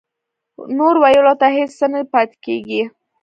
نور ویلو ته هېڅ څه نه پاتې کېږي